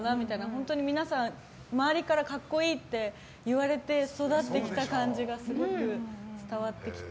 本当に皆さん、周りから格好いいって言われて育ってきた感じがすごく伝わってきて。